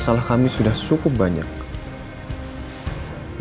ya kalau hari ini ga bakal klik dl ya jangan lupa